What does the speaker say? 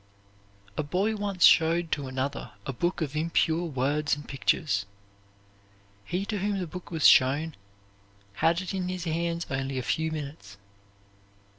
A boy once showed to another a book of impure words and pictures. He to whom the book was shown had it in his hands only a few minutes.